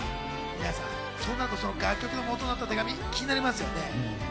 そうなると、その楽曲の元になった手紙気になりますよね。